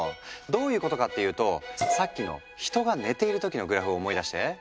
どういうことかっていうとさっきの人が寝ている時のグラフを思い出して。